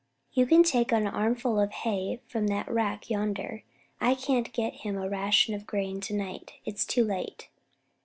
"You can take an armful of hay from that rack yonder. I can't get him a ration of grain to night, it's too late."